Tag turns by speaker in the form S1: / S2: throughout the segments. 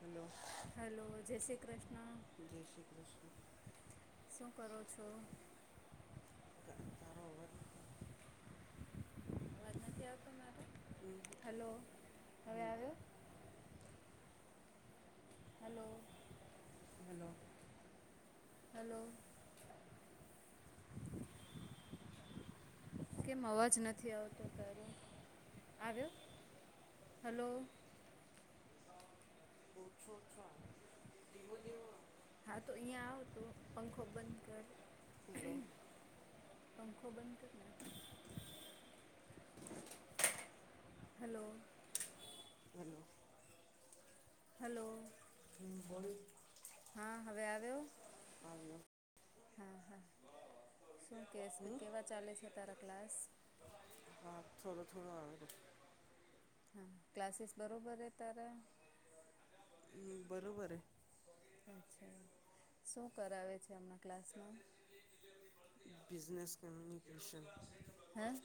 S1: Hello.
S2: Hello જય શ્રી કૃષ્ણ.
S1: જય શ્રી કૃષ્ણ
S2: શું કરો છો.
S1: તારોબર.
S2: અવાજ નથી આવતો મારો
S1: હમ
S2: હલો હવે
S1: હમ
S2: આવ્યો હલો.
S1: હલો.
S2: હેલો. [inaudible] કેમ અવાજ નથી આવતો તારો આવ્યો હલો.
S1: છોછો આવે ધીમો ધીમો આ
S2: હા તો ઐયા આવતો પંખો બંધ કર
S1: હલો
S2: પંખો બંધ કરના [inaudible] હલો.
S1: હલો.
S2: હલો.
S1: [unintelligible]
S2: હા હવે આવ્યો
S1: [unintelligible]
S2: હા હા શું કેશ કે
S1: હમ
S2: કેવા ચાલે છે તારા ક્લાસ
S1: હા થોડો થોડો આવે
S2: હા ક્લાસીસ બરોબર રે તારા
S1: હમ બરોબરે
S2: અચ્છા શું કરાવે છે હમણાં ક્લાસમાં
S1: બિઝનેસ કમ્યુનિકેશન
S2: હે.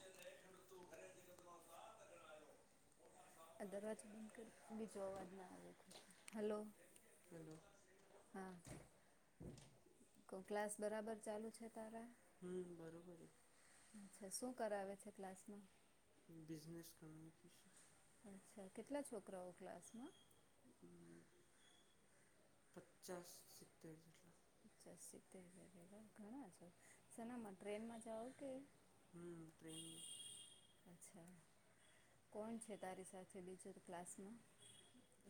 S2: આ દરવાજો બંધ કર બીજો અવાજ ના આવે હલો.
S1: હલો.
S2: હા કો ક્લાસ બરાબર ચાલુ છે તારા
S1: હમ બરોબર
S2: [inaudible] અચ્છા શું કરાવે છે ક્લાસમાં.
S1: બિઝનસ કમ્યુનિકેશ
S2: અચ્છા કેટલા છોકરાઓ ક્લાસમાં
S1: [inaudible] પચાસ સિત્તેર જેટલા
S2: પચાસ સિત્તેર [unintelligible] ઘણા છે સેનામાં ટ્રેનમાં જાઓ કે
S1: [unintelligible]
S2: અચ્છા કોણ છે તારી સાથે બીજું ક્લાસમાં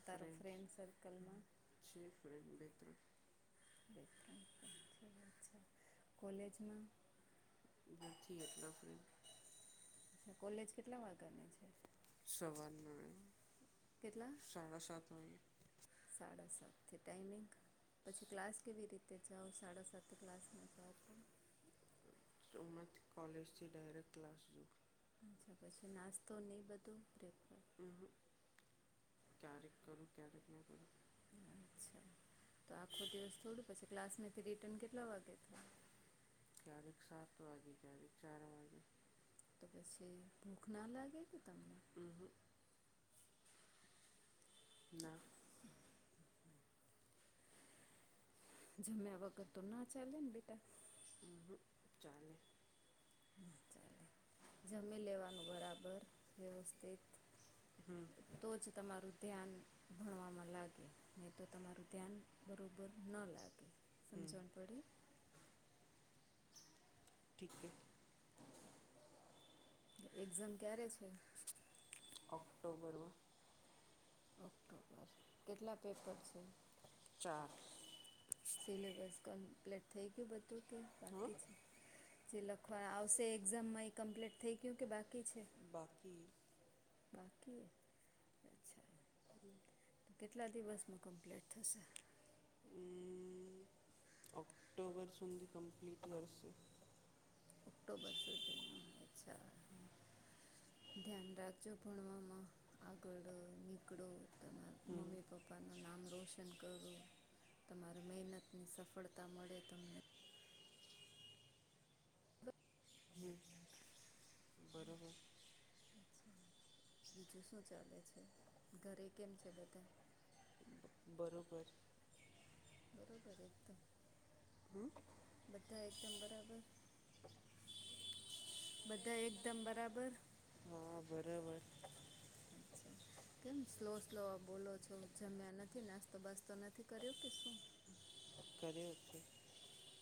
S2: તારો
S1: ફ્રેન્ડસ
S2: ફ્રેન્ડ સર્કલમાં
S1: છે ફ્રેન્ડ બે ત્રણ
S2: [inaudible] કોલેજમાં.
S1: નથી એટલા ફ્રેન્ડ
S2: કોલેજ કેટલા વાગાની છે. સવાર
S1: સવારના સાડા સાત વાગે
S2: સાડા સાત થી ટાઇમિંગ ક્લાસ કેવી રીતે જાઓ સાડા સાતે ક્લાસમાં જાઓ તો
S1: [unintelligible] કોલેજથી ડાયરેક્ટ ક્લાસમાં.
S2: અચ્છા પછી નાસ્તો ને બધું બ્રેકપર
S1: અમ્મ હ ક્યારેક કરુ ક્યારેક ના કરુ
S2: અચ્છા તો આખો દિવસ થોડો પછી ક્લાસમાંથી રિટર્ન કેટલા વાગે થ.
S1: ક્યારેક સાત વાગે ક્યારેક ચાર વાગે
S2: તો પસી ભૂખ ના લાગે કે તમ
S1: અમ્મ હ ના
S2: જમ્યા વગર તો ન ચાલેન બેટા
S1: અમ્મ હ ચાલે
S2: ચલે જમી લેવાનું બરાબર વ્યવસ્થિત તો જ તમારુ ધ્યાન ભણવામાં લાગે નહી, તો તમારુ ધ્યાન બરાબર ન લાગે સમજણ પડી
S1: ઠીક છે.
S2: એક્ઝામ ક્યારે છે.
S1: ઓક્ટોબર
S2: ઓક્ટોબર કેટલા પેપર છે.
S1: ચાર
S2: સિલેબસ કમ્પ્લીટ થઇ ગયું બધુ કે
S1: હા
S2: બાકી છે. જે લખવાનું આવશે એક્ઝામમાં કમ્પ્લીટ થઇ ગયુ કે બાકી છે.
S1: બાકી
S2: બાકી અચ્છા તો
S1: હમ્મ
S2: કેટલા દિવસમાં કમ્પ્લીટ થશે.
S1: અક્ટોબર સુદી કંપલીટ કરશે
S2: ઓક્ટોબર સુુંથીમાં અચ્છા ધ્યાન રાખજો પણ મા્મા આગળો નીકળો તમારા મમ્મી પપ્પાનું નામ રોશન કરો તમારે મહેનત ની સફળતા મળે તમને
S1: બરાબર
S2: બીજું શું ચાલે છે ઘરે કેમ છે, બધા
S1: બરોબર
S2: બરોબર એકદમ બધા એક મ બરાબર બધા એકદમ બરાબર
S1: બરોબર
S2: ા કેમ સ્લો સ્લો આ બોલો છો, જમ્યા નથી નાસ્તો બાસ્તો નથી કર્યો કે શુ
S1: હ કર વ છે.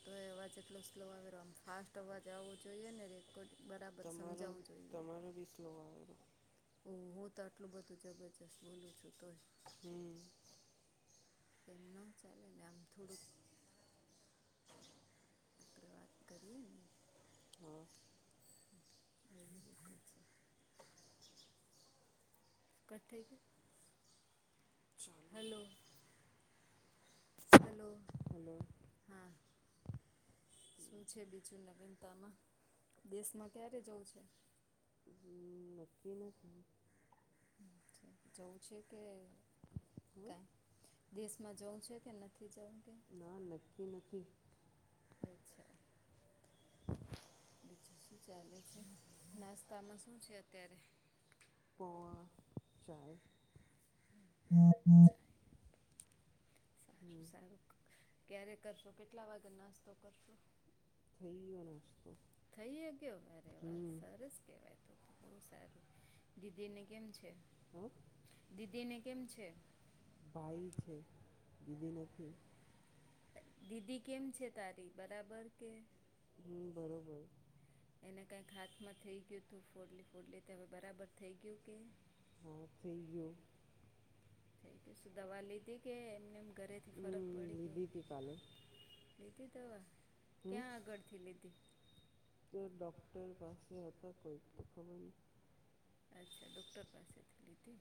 S2: તો એ અવાજ એટલો સ્લો આવી રહ્યો આમ ફાસ્ટ અવાજ આવવો જોઈએ ને રે કો બરાબર સમજાવું જોઈએ.
S1: બ સ્લો આવ
S2: ઓ હું તો આટલું બધું જબરજસ્ત માનુ છુ, તોય
S1: હમ્મ
S2: તેમનો ચાલે ને આમ થોડુંક આપણે વાત કરીએ ને
S1: હમ
S2: [inaudible] કટ થઇ [inaudible]
S1: [inaudible]
S2: હલો હેલો
S1: હલો
S2: હા શું છે બીજું નવીનતામાં દેશમાં ક્યારે જવું છે
S1: હમ નક્કી નથી
S2: જવું છે કે
S1: હા
S2: કઈ દેશમાં જવું છે કે ન થી જઉ
S1: ના નક્કી નથી
S2: અચ્છા
S1: [inaudible]
S2: હજુ શું ચાલે છે? નાસ્તામાં શું છે અત્યારે
S1: પૌવા ચાય [inaudible]
S2: ચાય સારું
S1: હમ
S2: સારું ક્યારે કરશો? કેટલા વાગે નાસ્તો કરશો?
S1: થઈ ગયો નાસ્તો.
S2: થઈ ગયો અરે વા
S1: હમ
S2: સરસ કેવાય તો બહુ સારું દીદી ને કેમ છે?
S1: હું
S2: દીદીને કેમ છે?
S1: ભાઈ છે દીદી નથી.
S2: દીદી કેમ છે તારી બરાબર કે?
S1: હમ બરોબર.
S2: એને કઈક હાથમાં થઈ ગયું તું ફોડલી ફોડલી તે હવે બરાબર થઈ ગયું કે?
S1: હા થઈ ગયું
S2: થઈ ગયું શું દવા લીધી કે એમને એમ ઘરેથી ફરક
S1: હમ
S2: પડી
S1: લીધી હતી
S2: ગયો
S1: કાલે
S2: લીધી દવા
S1: હમ
S2: ક્યાં આગળથી લીધી.
S1: તો ડૉક્ટર પાસે હતા કોઈક તો ખબર ની
S2: અચ્છા ડૉક્ટર પાસેથી લીધી.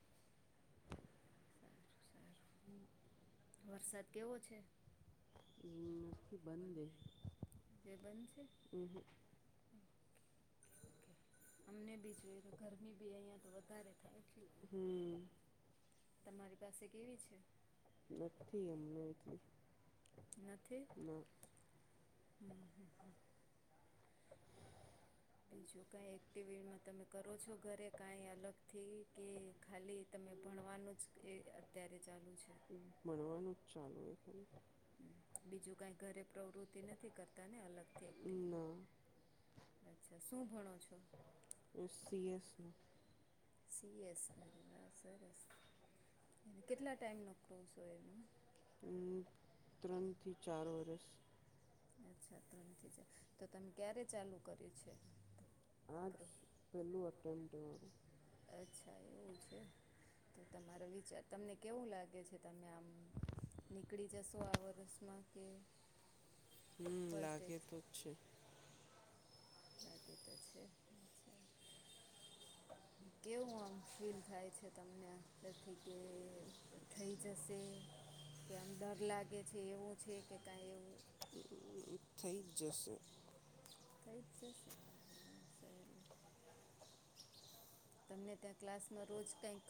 S2: સારું સારું
S1: [inaudible]
S2: વરસાદ કેવો છે? [inaudible]
S1: નથી બંધે
S2: કે બંધ છે.
S1: હમ
S2: અમને બી જોયે તો ગરમી બી અહિયાં તો વધારે થાય એટલે
S1: હમ
S2: તમારી પાસે કેવી છે.
S1: નથી અમને એટલી
S2: નથી
S1: ના
S2: હમ હમ હ બીજું કાઈ એક્ટિવિટીમાં તમે કરો છો ઘરે કાઈ અલગથી કે ખાલી તમે ભણવાનું જ એ અત્યારે ચાલુ છે.
S1: ભણવાનું જ ચાલુ
S2: બીજું કઈ ઘરે પ્રવૃતિ નથી કરતા ને અલગથી એક્ટિવ
S1: ના
S2: અચ્છા શું ભણો છો?
S1: હુ સીએસ છુ.
S2: સીએસ અરે વા સરસ અને કેટલા ટાઈમનો ક્રોસો એનો
S1: હું ત્રણ થી ચાર વરષ
S2: અચ્છા ત્રણથી ચાર તો તમે ક્યારે ચાલુ કર્યુ છે.
S1: આ જ
S2: કરો.
S1: પહેલું અટેમ્પ્ટ
S2: અચ્છા એવું છે તો તમારો વિચાર તમને કેવું લાગે છે. તમે આમ નીકળી જશો આ વરષમાં કે
S1: હમ
S2: ફર્સ્ટ
S1: લાગે
S2: એજ
S1: તો છે.
S2: બાકી તો છે, અચ્છા કેવું આમ ફીલ થાય છે, તમને અંદરથી કે થઈ જશે. કે આમ ડર લાગે છે એવો છે, કે કઈ એવ
S1: [inaudible] થઈ જ જશે.
S2: થઈ જ જશે સરસ તમને ત્યાં ક્લાસમાં રોજ કંઈક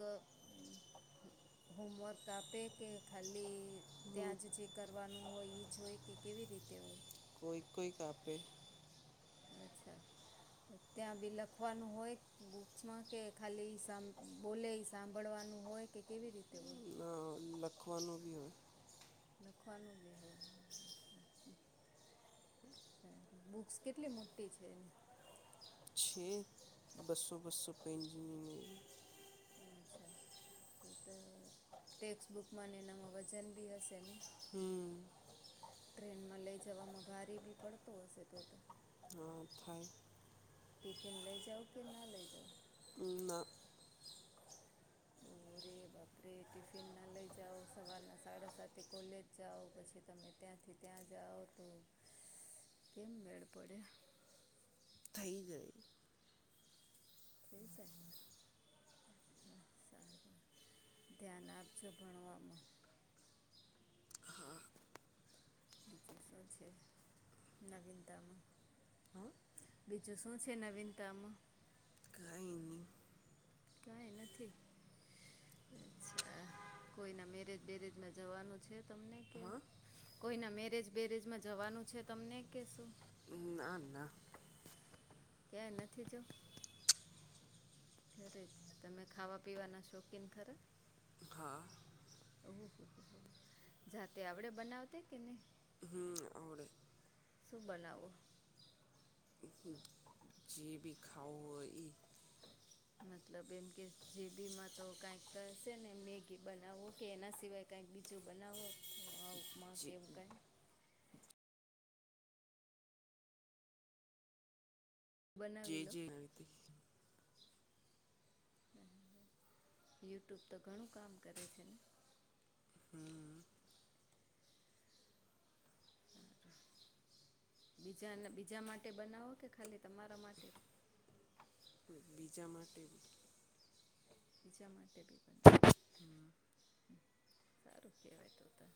S2: હોમવર્ક આપે કે ખાલી
S1: હમ
S2: ત્યાં જ જે કરવાનું હોય એ જ હોય કે કેવી રીતે હોય.
S1: કોઈ કોઈ આપે
S2: અચ્છા ત્યાં બી લખવાનું હોય બુક્સમાં કે ખાલી સા બોલે સાંભળવાનું હોય કે કેવી રીતે હોય.
S1: ના લખવાનું બી હોય.
S2: લખવાનું બી હોય. હ બુક્સ કેટલી મોટી છે, એને
S1: છ બસો બસો પંચ
S2: અચ્છા તો તો ટેક્સ્ટબુકમાંને એનામાં વજન બી હશેને
S1: હમ્મ હ
S2: ટ્રેનમાં લઈ જવામાં ભારી બી પડતો હશે, તો તો
S1: હા થાય.
S2: ટિફિન લઈ જાઓ, કે ના લઈ જાઓ
S1: ના
S2: દરે બાપરે ટિફિન ના લઈ જાઓ સવારના સાડા સા કોલેજ જાઓ પછી તમે ત્યા થી ત્યાં જાઓ તો કેમ મેળ પડે
S1: થઈ જ
S2: થીક છે. સારું ધ્યાન આપજો ભણવામા
S1: હા
S2: બજૂસો છે, નવીનતામા
S1: હા
S2: બીજું શું છે, નવીનતામ
S1: કાયની
S2: કઈ નથી. અચ્છા કોઈના મેરેજ બેરેજમાં જવાનું છે, તમને કે
S1: હા
S2: કોઈ ના મેરેજ બેરેજમા જવાનું છે, તમને કેશુ.
S1: ના ના
S2: કયા એ નથી જઉં ઘરે તમે ખાવા પીવાના શોખીન ખરા
S1: હા.
S2: ઓહ જાતે આવડે બનાવતે કે નહી.
S1: હમ્મ આવડે.
S2: શું બનાવો?
S1: જેબી ખાવું હોય ઈ
S2: મતલબ એમ કે જેબી માં તો કંઈક તો હશે ને મેગી બનાવો કે એના સિવાય કઈક બીજો બનાવો
S1: જે
S2: એઉ કઈક
S1: જે
S2: બનાવેલો
S1: જે રીતે
S2: યુટ્યુબ તો ઘણું કામ કરે છે ને
S1: હમ્મ.
S2: બીજાન બીજા માટે બનાવો કે ખાલી તમારા માટે
S1: બીજા માટે બી
S2: બીજા માટે બી બનાવ સારું કેહેવાય તો તો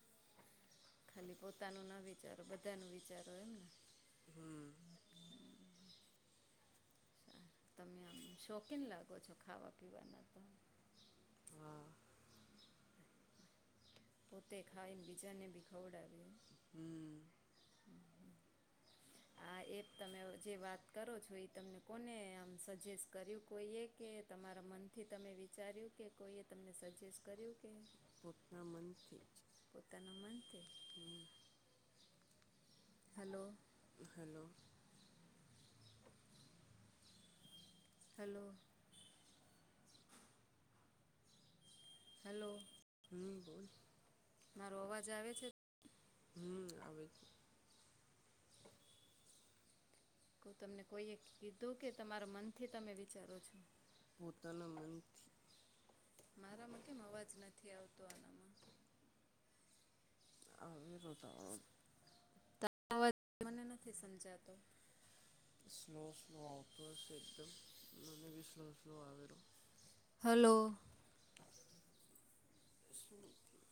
S2: ખાલી પોતાનું ના વિચારો બધાનું વિચારો એમને હા તમે આમ શોખીન લાગો છો ખાવા પીવાના તો
S1: હા
S2: પોતે ખાઈને બીજાને ભી ખવડાવ્યું
S1: હમ્મ.
S2: [inaudible] હા. આ એપ તમે જે વાત કરો છો એ તમને કોને આમ સજેસ્ટ કર્યું કોઈ એક કે તમારા મનથી તમે વિચાર્યું કે કોઈએ તમને સજેસ્ટ કર્યું કે
S1: પોતના મનથી જ
S2: પોતાના મનથી
S1: કે
S2: હલો
S1: હલો.
S2: હલો. હલો.
S1: હમ્મ બોલ.
S2: મારો અવાજ આવે છે.
S1: હમ્મ આવે
S2: હું તમને કોઈએ કીધું કે તમારા મનથી તમે વિચારો છો
S1: પોતાના મનથી
S2: મારામાં કેમ અવાજ નથી આવતો આનામાં
S1: આવેરો તારો
S2: તારો અવાજ મને નથી સમજાતો
S1: સ્લો સ્લો આવતો હશે એકદમ મને બી સ્લો સ્લો આવેલો
S2: હલો.
S1: શું થયું.